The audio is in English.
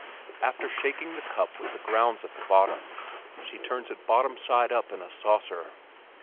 After shaking the cup with the grounds at the bottom, she turns it bottom side up in a saucer.